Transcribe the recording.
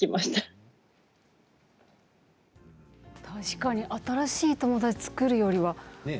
確かに新しい友達を作るよりは。